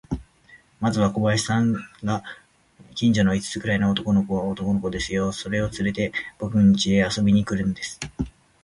まず小林さんが、近所の五つくらいの男の子を、男の子ですよ、それをつれて、ぼくんちへ遊びに来るんです。